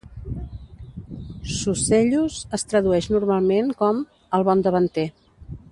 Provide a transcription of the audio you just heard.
"Sucellus" es tradueix normalment com "el bon davanter".